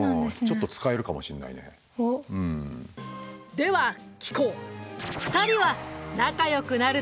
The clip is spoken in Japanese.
では聞こう。